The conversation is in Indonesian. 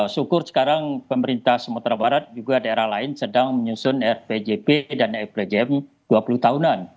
syukur sekarang pemerintah sumatera barat juga daerah lain sedang menyusun rpjp dan rpjm dua puluh tahunan